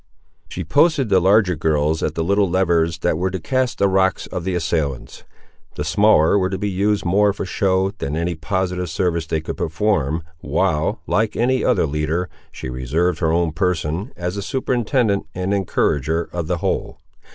She posted the larger girls at the little levers that were to cast the rocks on the assailants, the smaller were to be used more for show than any positive service they could perform, while, like any other leader, she reserved her own person, as a superintendent and encourager of the whole.